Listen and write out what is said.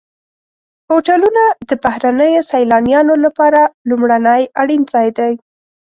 هوټلونه د بهرنیو سیلانیانو لپاره لومړنی اړین ځای دی.